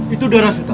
itu darah suta